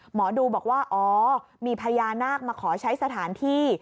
หมอดูบอกว่าอ๋อมีพญานาคมาขอใช้สถานที่